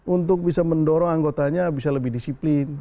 untuk bisa mendorong anggotanya bisa lebih disiplin